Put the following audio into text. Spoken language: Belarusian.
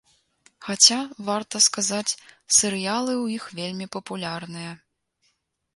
Хаця, варта сказаць, серыялы ў іх вельмі папулярныя.